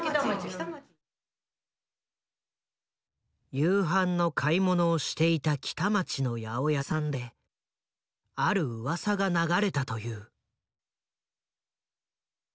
夕飯の買い物をしていた北町の八百屋さんであるうわさが流れたという。